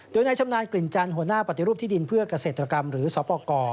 โดยในชำนาญกลิ่นจันทร์หัวหน้าปฏิรูปที่ดินเพื่อเกษตรกรรมหรือสปกร